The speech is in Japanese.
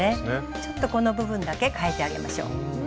ちょっとこの部分だけ変えてあげましょう。